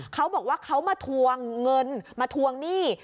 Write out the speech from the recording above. เขาบอกว่าเขามาทวงเงินมาทวงหนี้